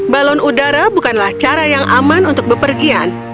balon udara bukanlah cara yang aman untuk bepergian